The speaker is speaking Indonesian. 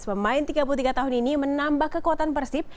pemain tiga puluh tiga tahun ini menambah kekuatan persib